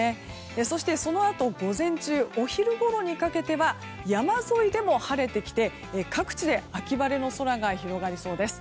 そして、そのあと午前中お昼ごろにかけては山沿いでも晴れてきて、各地で秋晴れの空が広がりそうです。